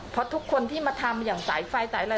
เพราะทุกคนที่มาทำอย่างสายไฟสายอะไร